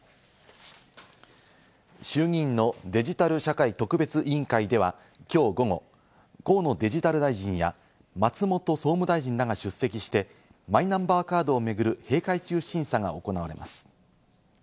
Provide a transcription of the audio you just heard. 衆議院のデジタル社会特別委員会ではきょう午後、河野デジタル大臣や松本総務大臣らが出席して、マイナンバーカードを巡る閉会中審査が行われます。